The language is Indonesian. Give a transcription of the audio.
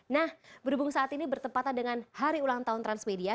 nah berhubung saat ini bertempatan dengan hari ulang tahun transmedia